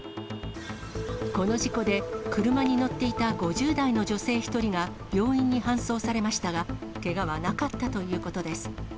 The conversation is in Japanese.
この事故で車に乗っていた５０代の女性１人が病院に搬送されましたが、けがはなかったということです。